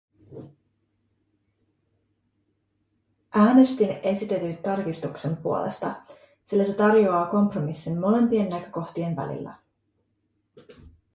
Äänestin esitetyn tarkistuksen puolesta, sillä se tarjoaa kompromissin molempien näkökohtien välillä.